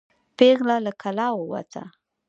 پیغله له کلا ووته.